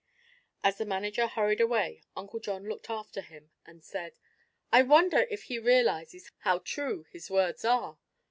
As the manager hurried away Uncle John looked after him and said: "I wonder if he realizes how true his words are?